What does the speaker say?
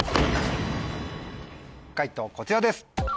解答こちらです。